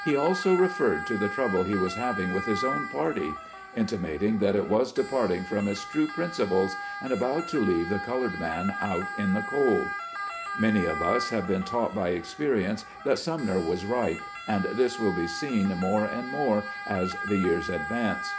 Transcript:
He also referred to the trouble he was having with his own party ; intimating that it was departing from its true principles, and about to leave the colored man out in the cold. Many of us have been taught by experience that Sumner was right, and this will be seen more and more as the years advance.